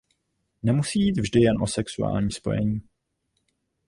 Nemusí jít vždy jen o sexuální spojení.